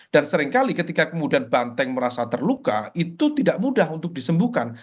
seringkali ketika kemudian banteng merasa terluka itu tidak mudah untuk disembuhkan